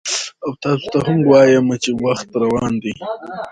او تاسو ته هم وایم چې وخت روان دی،